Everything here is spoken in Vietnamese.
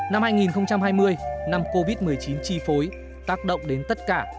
năm hai nghìn hai mươi năm covid một mươi chín chi phối tác động đến tất cả